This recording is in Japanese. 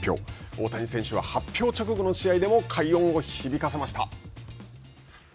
大谷選手は発表直後の試合でも快音を響かせました。